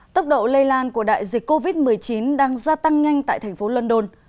tốc độ lây lan của đại dịch covid một mươi chín đang gia tăng nhanh tại thành phố london